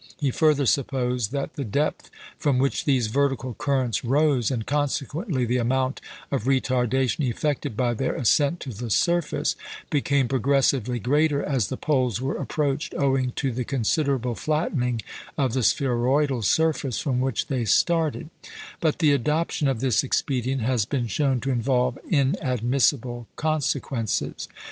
He further supposed that the depth from which these vertical currents rose, and consequently the amount of retardation effected by their ascent to the surface, became progressively greater as the poles were approached, owing to the considerable flattening of the spheroidal surface from which they started; but the adoption of this expedient has been shown to involve inadmissible consequences.